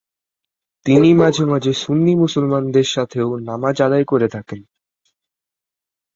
তিনি মাঝে মাঝে সুন্নি মুসলমানদের সাথেও নামাজ আদায় করে থাকেন।